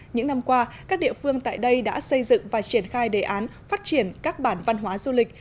những năm qua các địa phương tại đây đã xây dựng và triển khai đề án phát triển các bản văn hóa du lịch